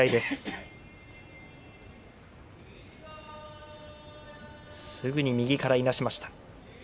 すぐに右から、いなしました。